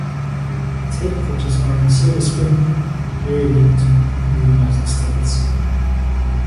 Its headquarters are in Silver Spring, Maryland in the United States.